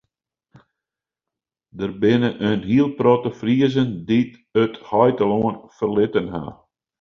Der binne in hiele protte Friezen dy't it heitelân ferlitten ha.